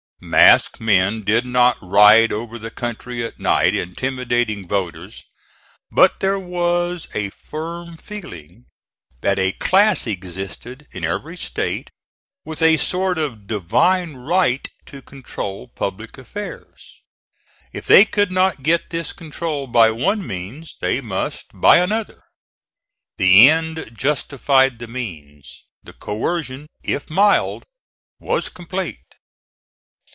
Masked men did not ride over the country at night intimidating voters; but there was a firm feeling that a class existed in every State with a sort of divine right to control public affairs. If they could not get this control by one means they must by another. The end justified the means. The coercion, if mild, was complete.